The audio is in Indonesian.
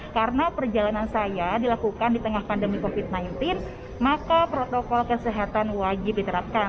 karena perjalanan saya dilakukan di tengah pandemi covid sembilan belas maka protokol kesehatan wajib diterapkan